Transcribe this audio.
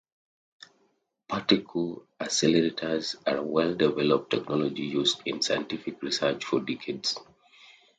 Particle accelerators are a well-developed technology used in scientific research for decades.